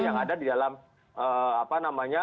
yang ada di dalam